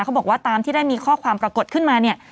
เขาบอกว่าตามที่ได้มีข้อความปรากฏขึ้นมาเนี่ย